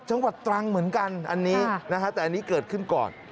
จังหวัดตรังเหมือนกันแต่อันนี้เกิดขึ้นก่อน